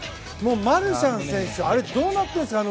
マルシャン選手どうなっているんですか？